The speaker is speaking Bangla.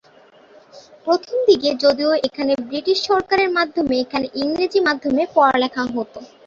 প্রথমদিকে যদিও এখানে ব্রিটিশ সরকারের মাধ্যমে এখানে ইংরেজি মাধ্যমে পড়ালেখা হতো।